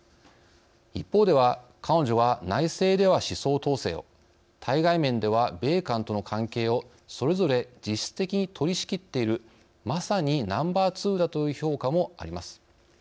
一方では彼女は内政では思想統制を対外面では米韓との関係をそれぞれ実質的に取り仕切っているまさにナンバーツーだという評価もあります。